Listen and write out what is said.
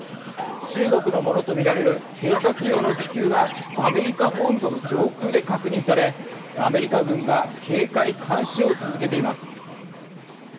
中国のものと見られる偵察用の気球がアメリカ本土の上空で確認されアメリカ軍が警戒監視を続けています。